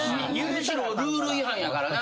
むしろルール違反やからな。